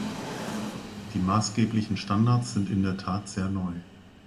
Die maßgeblichen Standards sind in der Tat sehr neu.